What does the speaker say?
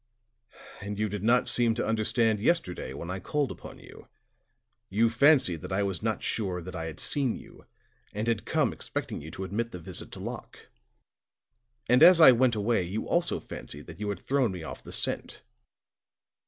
"And you did not seem to understand yesterday when I called upon you. You fancied that I was not sure that I had seen you, and had come expecting you to admit the visit to Locke. And as I went away, you also fancied that you had thrown me off the scent."